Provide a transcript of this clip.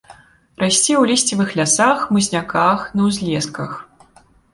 Расце ў лісцевых лясах, хмызняках, на ўзлесках.